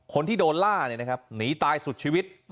คนที่โดนล่าเนี่ยนะครับหนีตายสุดชีวิต